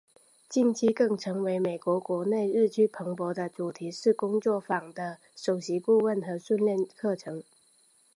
近期更成为美国国内日趋蓬勃的主题式工作坊的首席顾问和训练课程。